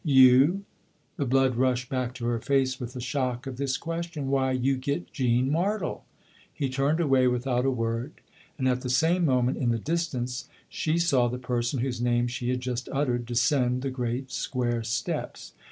" You ?" The blood rushed back to her face with the shock of this question. "Why, you get Jean Martle!" He turned away without a word, and at the same moment, in the distance, she saw the person whose name she had just uttered descend the great square steps.